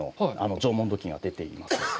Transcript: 縄文土器が出ています。